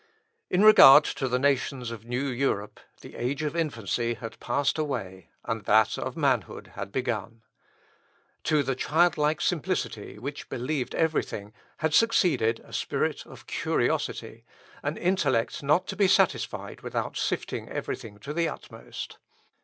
In regard to the nations of new Europe, the age of infancy had passed away, and that of manhood had begun. To the childlike simplicity, which believed everything, had succeeded a spirit of curiosity, an intellect not to be satisfied without sifting everything to the utmost.